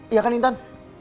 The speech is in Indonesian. iya kan intan